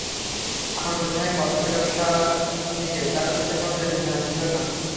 আমার মনে হয় কস্তার ব্যাবসা নিয়ে তার সাথে কোন লেনাদেনা ছিলো।